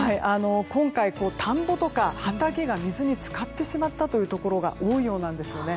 今回、田んぼとか畑が水に浸かってしまったところが多いようなんですね。